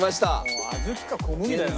もう小豆か小麦だよな。